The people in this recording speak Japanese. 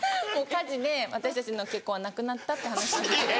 火事で私たちの結婚はなくなったって話なんですけど。